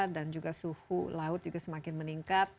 dan juga suhu laut juga semakin meningkat